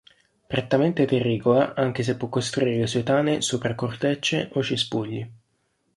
Prettamente terricola anche se può costruire le sue tane sopra cortecce o cespugli.